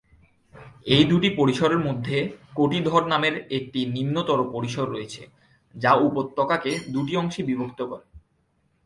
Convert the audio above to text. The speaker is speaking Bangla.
এই দুটি পরিসরের মধ্যে কোটি ধর নামে একটি নিম্নতর পরিসর রয়েছে যা উপত্যকাকে দুটি অংশে বিভক্ত করে।